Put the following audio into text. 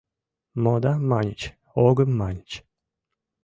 Модам маньыч, огым маньыч